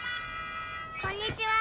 「こんにちは」